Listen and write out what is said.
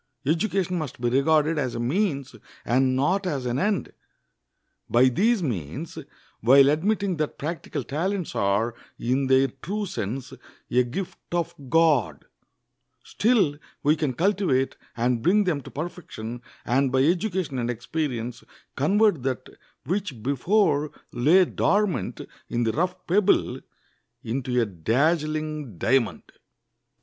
Education must be regarded as a means and not as an end. By these means, while admitting that practical talents are, in their true sense, a gift of God, still we can cultivate and bring them to perfection, and by education and experience convert that which before lay dormant in the rough pebble into a dazzling diamond.